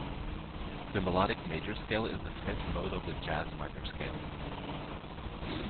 The melodic major scale is the fifth mode of the jazz minor scale.